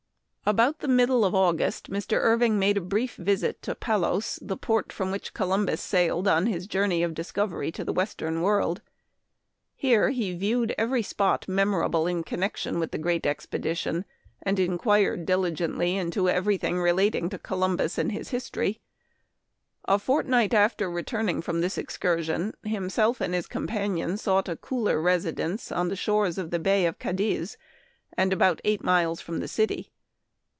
About the middle of August Mr. Irving made a brief visit to Palos, the port from which Columbus sailed on his voyage of discovery to the western world. Here he viewed every spot memorable in connection with the great expe dition, and inquired diligently into every thing relating to Columbus and his history. A fort night after returning from this excursion him self and his companion sought a cooler residence on the shores of the bay of Cadiz, and about eight miles from the city.